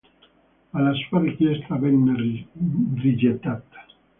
Ma la sua richiesta venne rigettata.